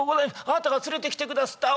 あなたが連れてきてくだすった。